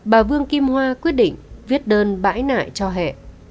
bà vương kim hoa quyết định viết đơn bãi nại cho hệ